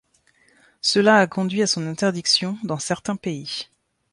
Cela a conduit à son interdiction dans certains pays.